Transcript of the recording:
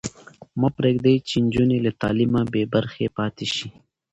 مه پرېږدئ چې نجونې له تعلیمه بې برخې پاتې شي.